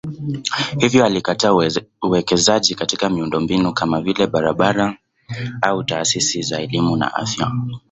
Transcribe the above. Hivyo alikataa uwekezaji katika miundombinu kama vile barabara au taasisi za elimu na afya.